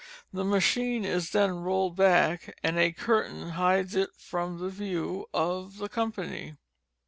The machine is then rolled back, and a curtain hides it from the view of the company.